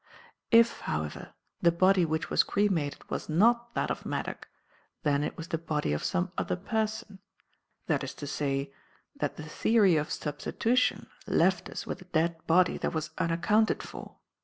"If, however, the body which was cremated was not that of Maddock, then it was the body of some other person; that is to say that the theory of substitution left us with a dead body that was unaccounted for.